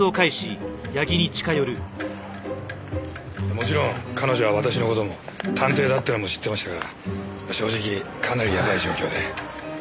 もちろん彼女は私の事も探偵だってのも知ってましたから正直かなりヤバイ状況で。